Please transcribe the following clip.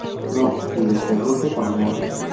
No" y "Desde Rusia con amor".